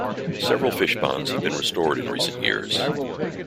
Several fishponds have been restored in recent years.